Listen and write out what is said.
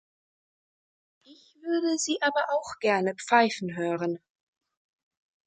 Ich würde Sie aber auch gerne pfeifen hören.